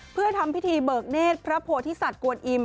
เพื่อทำพิธีเบิกเนธพระโพธิสัตว์กวนอิม